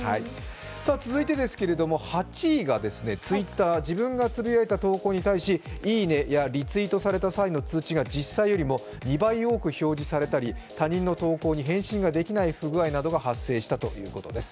続いてですが、８位がＴｗｉｔｔｅｒ、自分がつぶやいた投稿に際して「いいね」などリツイートされた際の通知が実際よりも２倍多く表示されたり、他人の投稿に返信ができない不具合などが発生したということです。